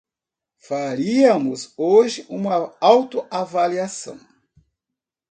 Faríamos hoje uma autoavaliação